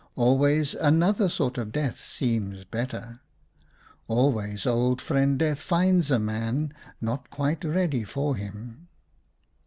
Always another sort of death seems better. Always Old Friend Death finds a man not quite ready for him."